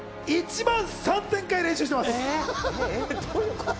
１万３０００回練習してます。